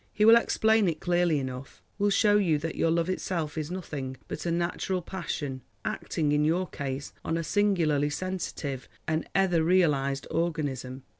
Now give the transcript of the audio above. He will explain it clearly enough, will show you that your love itself is nothing but a natural passion, acting, in your case, on a singularly sensitive and etherealised organism.